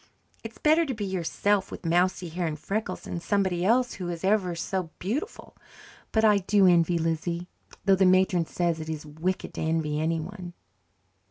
It's better to be yourself with mousy hair and freckles than somebody else who is ever so beautiful. But I do envy Lizzie, though the matron says it is wicked to envy anyone."